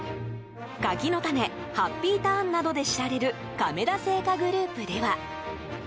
柿の種、ハッピーターンなどで知られる、亀田製菓グループでは１００％